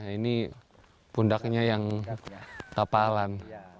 ini pundaknya yang kapalan